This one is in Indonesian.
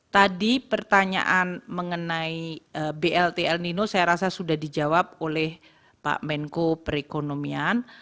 tadi pertanyaan mengenai blt el nino saya rasa sudah dijawab oleh pak menko perekonomian